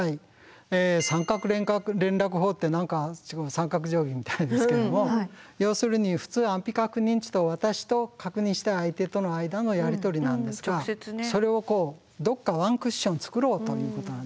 三角連絡法って何か三角定規みたいですけども要するに普通安否確認っていうと私と確認したい相手との間のやり取りなんですがそれをどっかワンクッション作ろうということなんですね。